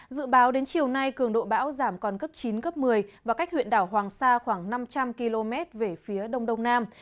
dự báo đến chiều nay cường độ bão giảm còn cấp chín cấp một mươi và cách huyện đảo hoàng sa khoảng năm trăm linh km về phía đông đông nam